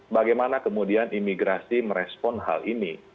bagaimana kemudian imigrasi merespon hal ini